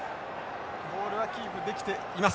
ボールはキープできています。